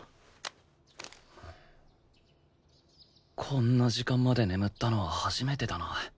こんな時間まで眠ったのは初めてだな